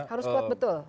harus kuat betul